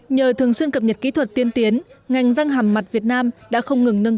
nhờ thường xuyên cập nhật kỹ thuật tiên tiến ngành răng hàm mặt việt nam đã không ngừng nâng